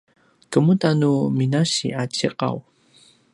kemuda nu minasi a ciqaw?